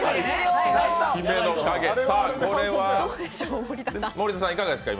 これは森田さん、いかがですか？